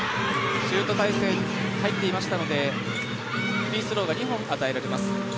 シュート体勢に入っていましたのでフリースローが２本与えられます。